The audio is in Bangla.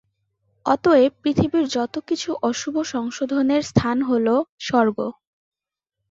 অতএব পৃথিবীর যত কিছু অশুভ সংশোধনের স্থান হইল স্বর্গ।